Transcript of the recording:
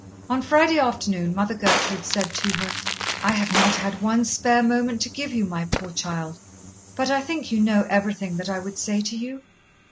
On Friday afternoon Mother Gertrude said to her: "I have not had one spare moment to give you, my poor child. But I think you know everything that I would say to you?